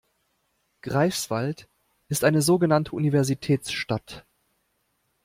Greifswald ist eine so genannte Universitätsstadt.